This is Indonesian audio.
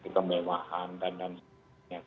kemewahan dan sebagainya